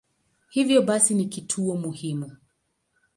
Hivyo basi ni kituo muhimu.